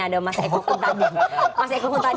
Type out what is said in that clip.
ada mas eko kuntadi